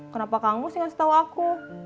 kenapa kang mus yang ngasih tau aku